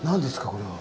これは。